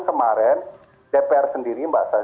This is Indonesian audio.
kemarin dpr sendiri